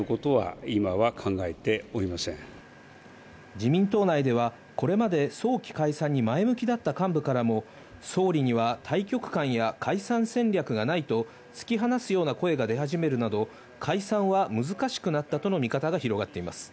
自民党内ではこれまで早期解散に前向きだった幹部からも総理には大局観や解散戦略がないと突き放すような声が出始めるなど、解散は難しくなったとの見方が広がっています。